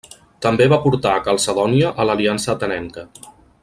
També va portar a Calcedònia a l'aliança atenenca.